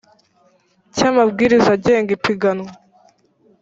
cy amabwiriza agenga ipiganwa